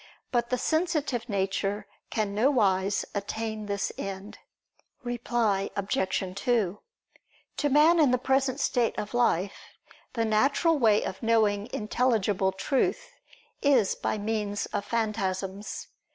But the sensitive nature can nowise attain this end. Reply Obj. 2: To man in the present state of life the natural way of knowing intelligible truth is by means of phantasms.